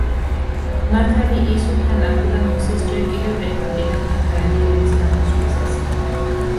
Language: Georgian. მართალი ისუ თან ახლდა მოსეს ჯერ კიდევ ეგვიპტიდან ებრაელი ერის გამოსვლისას.